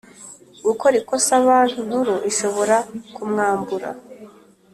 gukora ikosa Banki Nkuru ishobora kumwambura